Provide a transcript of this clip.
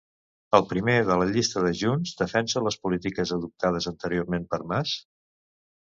El primer de la llista de Junts defensa les polítiques adoptades anteriorment per Mas?